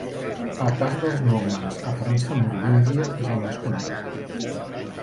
El cas dels normands a França merovíngia és el més conegut.